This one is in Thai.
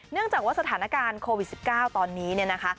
เนื่องจากว่าสถานการณ์โควิด๑๙ตอนนี้เนี่ยนะคะ